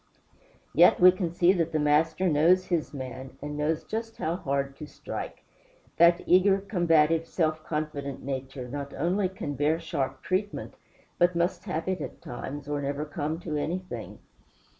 Yet we can see that the Master knows his man, and knows just how hard to strike. That eager, combative, self confident nature not only can bear sharp treatment, but must have it at times, or never come to anything.